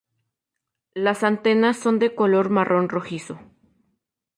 Las antenas son de color marrón rojizo.